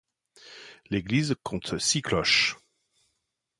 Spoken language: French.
L'église compte six cloches.